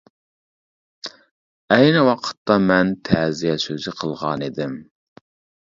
ئەينى ۋاقىتتا مەن تەزىيە سۆزى قىلغانىدىم.